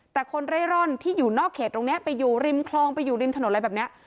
แต่คนเร่ร่อนที่อยู่นอกเขตตรงนี้ไปอยู่ริมคลองไปอยู่ริมถนนอะไรแบบนี้